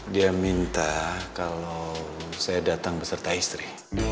dia minta kalau saya datang beserta istri